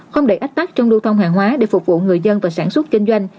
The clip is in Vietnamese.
không để ách tắc trong lưu thông hàng hóa để phục vụ người dân và sản xuất kinh doanh